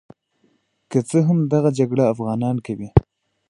که څه هم دغه جګړه افغانان کوي.